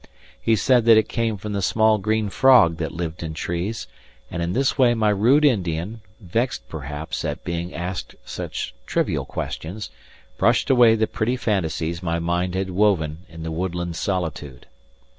He said that it came from a small green frog that lived in trees; and in this way my rude Indian vexed perhaps at being asked such trivial questions brushed away the pretty fantasies my mind had woven in the woodland solitude.